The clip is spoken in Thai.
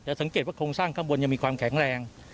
สังเกตว่าโครงสร้างข้างบนยังมีความแข็งแรง